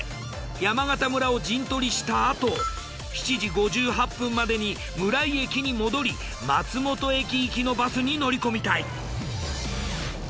山形村を陣取りしたあと７時５８分までに村井駅に戻り松本駅行きのバスに乗り込みたい。